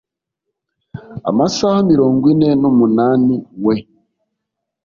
amasaha mirongo ine n umunani we